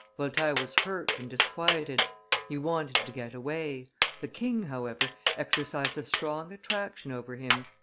Voltaire was hurt and disquieted; he wanted to get away the king, however, exercised a strong attraction over him.